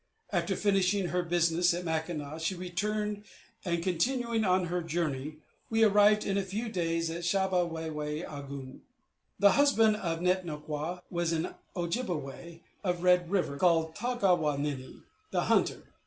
After finishing her business at Mackinac, she returned, and, continuing on our journey, we arrived in a few days at Shab a wy wy a gun. The husband of Net no kwa was an Ojibbeway of Red River, called Taw ga we ninne, the hunter.